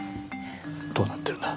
「どうなってるんだ？